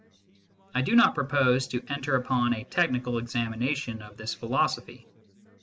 I do not propose to enter upon a technical examination of this philosophy.